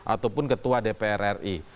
ataupun ketua dpr ri